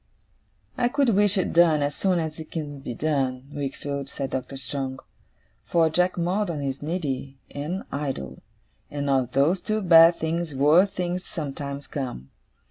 'I could wish it done as soon as it can be done, Wickfield,' said Doctor Strong, 'for Jack Maldon is needy, and idle; and of those two bad things, worse things sometimes come.